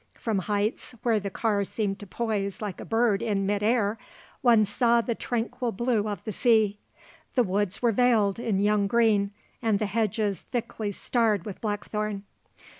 From heights, where the car seemed to poise like a bird in mid air, one saw the tranquil blue of the sea. The woods were veiled in young green and the hedges thickly starred with blackthorn.